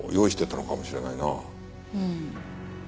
うん。